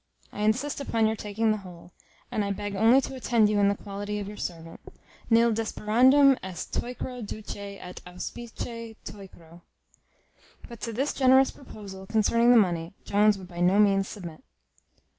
I insist upon your taking the whole, and I beg only to attend you in the quality of your servant; Nil desperandum est Teucro duce et auspice Teucro": but to this generous proposal concerning the money, Jones would by no means submit.